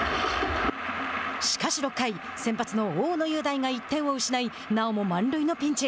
しかし６回先発の大野雄大が１点を失いなおも満塁のピンチ。